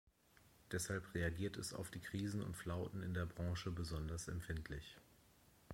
Deshalb reagiert es auf die Krisen und Flauten in der Branche besonders empfindlich.